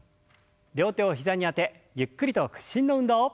両手を膝にあてゆっくりと屈伸の運動。